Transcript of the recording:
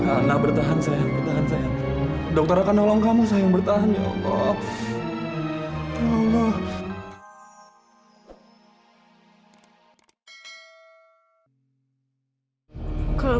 anak bertahan sayang sayang dokter akan nolong kamu sayang bertahan ya allah ya allah